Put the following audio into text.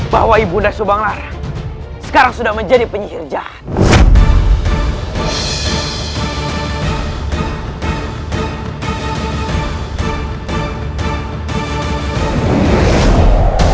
bahwa ibu nda subang lara sekarang sudah menjadi penyihir jahat